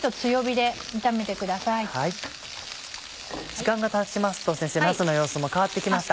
時間がたちますとなすの様子も変わって来ました。